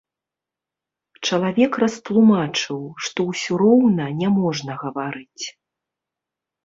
Чалавек растлумачыў, што ўсё роўна няможна гаварыць.